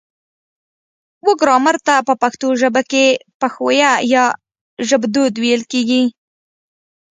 و ګرامر ته په پښتو ژبه کې پښويه يا ژبدود ويل کيږي